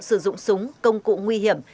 sử dụng súng công cụ nguy hiểm